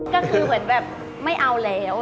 ก็คือเหมือนแบบไม่เอาแล้ว